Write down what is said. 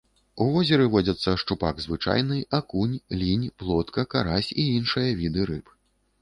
У возеры водзяцца шчупак звычайны, акунь, лінь, плотка, карась і іншыя віды рыб.